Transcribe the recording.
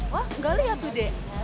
wah gak lihat tuh dek